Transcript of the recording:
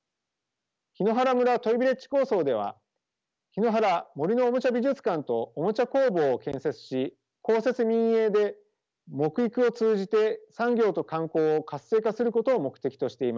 檜原村トイビレッジ構想では檜原森のおもちゃ美術館とおもちゃ工房を建設し公設民営で木育を通じて産業と観光を活性化することを目的としています。